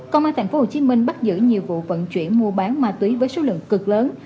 công an thành phố hồ chí minh bắt giữ nhiều vụ vận chuyển mua bán ma túy với số lượng cực lớn